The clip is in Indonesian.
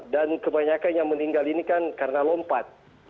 dan kebanyakanya meninggal ini kan karena lompat